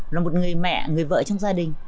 là một người mẹ người vợ trong gia đình